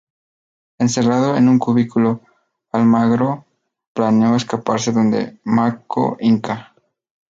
Encerrado en un cubículo, Almagro planeó escaparse donde Manco Inca.